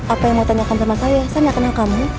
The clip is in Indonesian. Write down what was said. apa yang mau tanyakan sama saya saya nggak kenal kamu